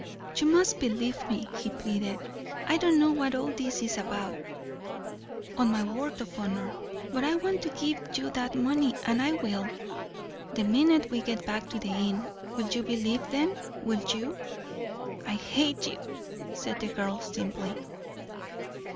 "You must believe," he pleaded. "I don't know what all this is about on my word of honor. But I want to give you that money, and I will the minute we get back to the inn. Will you believe then? Will you?" "I hate you," said the girl simply.